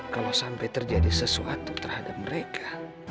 kalau sampai terjadi sesuatu terhadap mereka